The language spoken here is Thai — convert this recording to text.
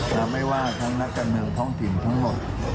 และไม่ว่าทั้งนักการเมืองท้องถิ่นทั้งหมด